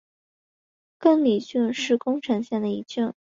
亘理郡是宫城县的一郡。